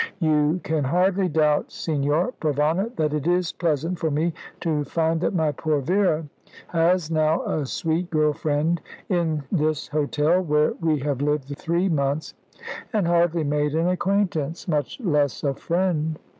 You can hardly doubt, Signor Provana, that it is pleasant for me to find that my poor Vera has now a sweet girl friend in this hotel, where we have lived three months and hardly made an acquaintance, much less a friend."